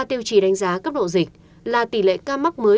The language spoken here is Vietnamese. ba tiêu chí đánh giá cấp độ dịch là tỷ lệ ca mắc mới